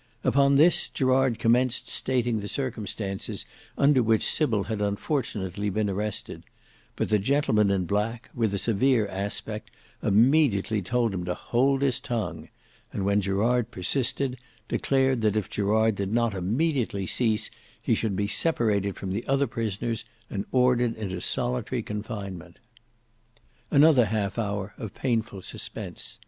Upon this Gerard commenced stating the circumstances under which Sybil had unfortunately been arrested, but the gentleman in black with a severe aspect, immediately told him to hold his tongue, and when Gerard persisted, declared that if Gerard did not immediately cease he should be separated from the other prisoners and be ordered into solitary confinement. Another half hour of painful suspense.